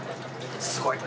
すごい。